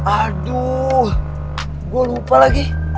aduh gue lupa lagi